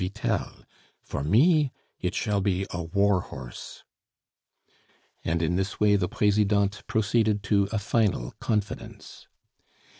Vitel; for me it shall be a war horse." And in this way the Presidente proceeded to a final confidence.